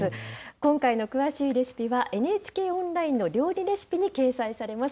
今回の詳しいレシピは、ＮＨＫオンラインの料理レシピに掲載されます。